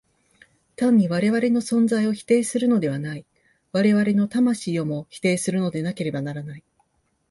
単に我々の存在を否定するのではない、我々の魂をも否定するのでなければならない。